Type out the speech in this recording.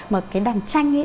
mà cái đàn tranh ấy